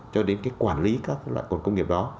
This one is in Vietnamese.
cho đến cái quản lý các loại tội công nghiệp đó